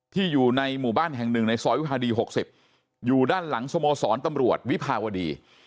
อยู่ในหมู่บ้านแห่งหนึ่งในซอยวิภาดี๖๐อยู่ด้านหลังสโมสรตำรวจวิภาวดี